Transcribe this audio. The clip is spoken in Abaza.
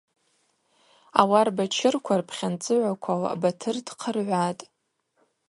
Ауарбачырква рпхьынцӏыгӏваквала Батыр дхъыргӏватӏ.